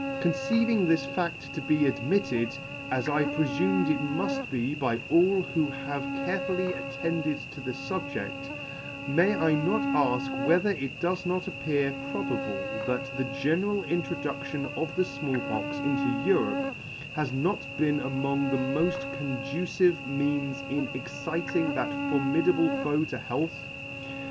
Conceiving this faCt to be admit ted, as I prefume it muft be by all who have carefully attended to the fubjeCt, may I not alk whether it does not appear probable [ 181 ] probable that the general introduction of the Small Pox into Europe has not been among the mod: conducive means in ex citing that formidable foe to health